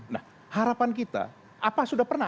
nah harapan kita apa sudah pernah